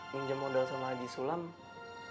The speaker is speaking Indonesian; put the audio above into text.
minjem modal sama haji sulam adalah ikhtiaran